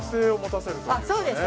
そうです